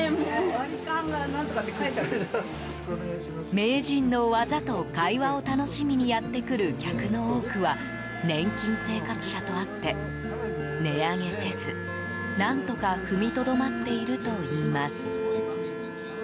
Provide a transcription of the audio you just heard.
名人の技と会話を楽しみにやってくる客の多くは年金生活者とあって、値上げせず何とか踏みとどまっているといいます。